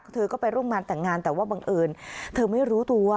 เธอก็ไปร่วมงานแต่งงานแต่ว่าบังเอิญเธอไม่รู้ตัว